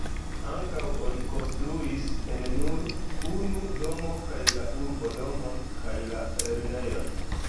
Ankaŭ oni konstruis en nur unu domo kaj la urbodomon kaj la lernejon.